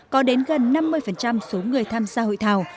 có đến gần năm mươi số người tham gia hội thảo